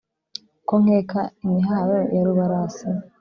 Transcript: ko nkeka imihayo ya rubarasi.